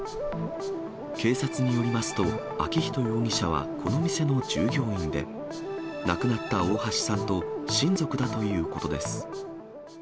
警察によりますと、昭仁容疑者はこの店の従業員で、亡くなった大橋さんと親族だということです。